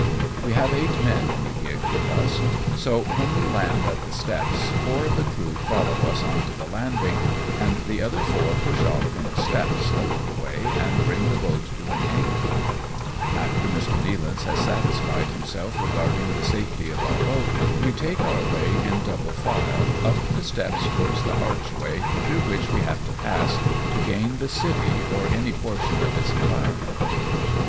We have eight men in the gig with us. ARRIVE AT N AGAR AST. 263 so when we land at the steps, four of the crew follow us on to the landing, and the other four push off from the steps a little way and bring the boat to an anchor. After Mr. Nealance has satisfied himself regard ing the safety of our boat, we take our way, in double file, up the steps towards the archway, through which we have to pass, to gain the city, or any portion of its environments.